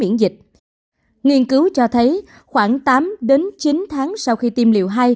nghiên cứu cho thấy khoảng tám chín tháng sau khi tiêm liều hai